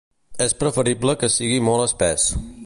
És preferible que sigui molt espès.